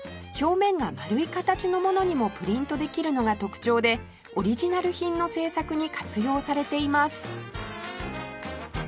表面が丸い形のものにもプリントできるのが特徴でオリジナル品の制作に活用されています